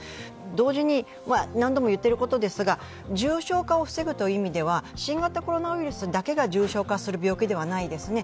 同時に、何度も言っていることですが、重症化を防ぐという意味では新型コロナウイルスだけが重症化する病気ではないですね。